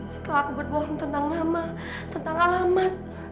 setelah aku berbohong tentang nama tentang alamat